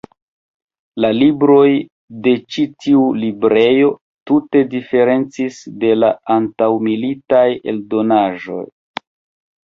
La libroj de ĉi tiu librejo tute diferencis de la antaŭmilitaj eldonaĵoj.